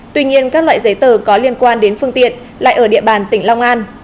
tuy nhiên các loại giấy tờ có liên quan đến phương tiện lại ở địa bàn tỉnh long an